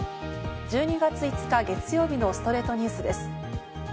１２月５日、月曜日の『ストレイトニュース』です。